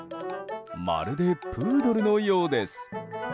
まるでプードルのようです。